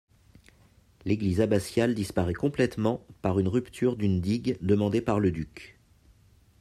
L'église abbatiale disparaît complètement par une rupture d'une digue demandée par le duc.